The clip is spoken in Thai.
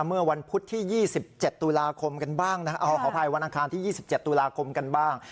เมื่อวันพุธที่ยี่สิบเจ็ดตุลาคมกันบ้างนะเอาขอบภัยวันอังคารที่ยี่สิบเจ็ดตุลาคมกันบ้าง